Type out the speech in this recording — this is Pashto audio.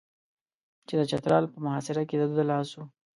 چې د چترال په محاصره کې د ده لاس و.